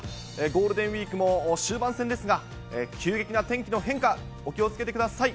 ゴールデンウィークも終盤戦ですが、急激な天気の変化、お気をつけてください。